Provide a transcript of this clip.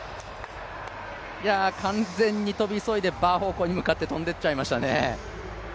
完全に跳び急いで、バー方向に向かって跳んでいってしまいましたね。